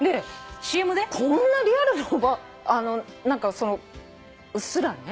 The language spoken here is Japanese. でこんなリアルなおば何かうっすらね。